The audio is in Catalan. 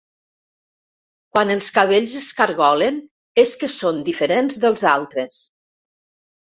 Quan els cabells es cargolen és que són diferents dels altres